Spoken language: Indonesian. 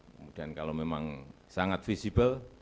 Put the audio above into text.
kemudian kalau memang sangat visible